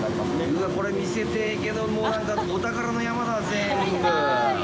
うわあ、これ見せてえけど、なんかお宝の山だ、全部。